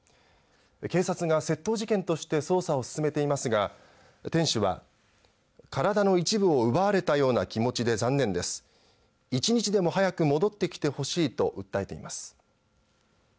警察が窃盗事件として捜査を進めていますが店主は体の一部を奪われたような気持ちで残念です一日でも早く戻ってきてほしいと訴えています。